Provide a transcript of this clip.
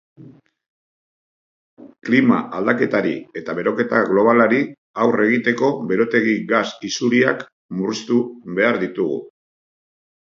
Klima aldaketari eta beroketa globalari aurre egiteko berotegi gas isuriak murriztu behar ditugu.